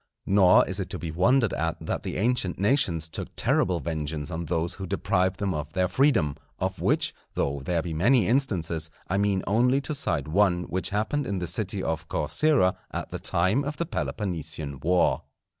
Nor is it to be wondered at that the ancient nations took terrible vengeance on those who deprived them of their freedom; of which, though there be many instances, I mean only to cite one which happened in the city of Corcyra at the time of the Peloponnesian war.